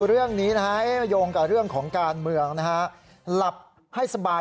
เรื่องนี้นะฮะยงกับเรื่องของการเมืองนะฮะ